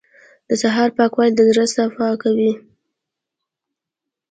• د سهار پاکوالی د زړه صفا کوي.